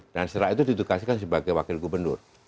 dan setelah itu didukasikan sebagai wakil gubernur